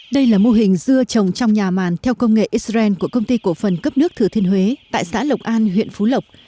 đây là mô hình dưa trồng trong nhà màn theo công nghệ israel của công ty cổ phần cấp nước thừa thiên huế tại xã lộc an huyện phú lộc